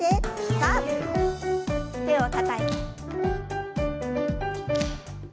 さあ手をたたいて。